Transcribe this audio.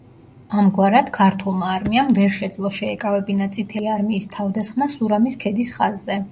ამგვარად, ქართულმა არმიამ ვერ შეძლო შეეკავებინა წითელი არმიის თავდასხმა სურამის ქედის ხაზზე.